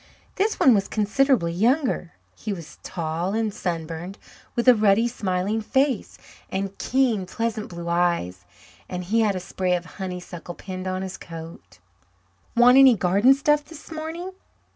This one was considerably younger. He was tall and sunburned, with a ruddy, smiling face, and keen, pleasant blue eyes; and he had a spray of honeysuckle pinned on his coat. "Want any garden stuff this morning?"